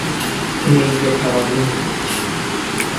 نیزه پرانی